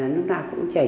lúc nào cũng chảy